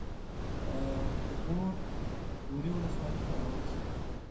غور غوري ولسوالۍ ته راورسېدو.